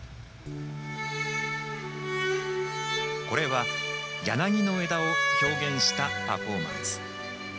これは、柳の枝を表現したパフォーマンス。